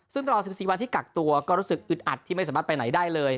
ซึ่งตลอด๑๔วันที่กักตัวก็รู้สึกอึดอัดที่ไม่สามารถไปไหนได้เลย